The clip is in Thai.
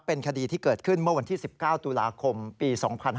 เป็นคดีที่เกิดขึ้นเมื่อวันที่๑๙ตุลาคมปี๒๕๕๙